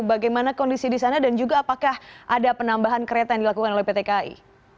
bagaimana kondisi di sana dan juga apakah ada penambahan kereta yang dilakukan oleh pt kai